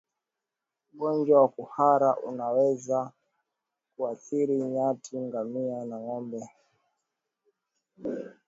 Ugonjwa wa kuhara unaweza kuathiri nyati ngamia na ngombe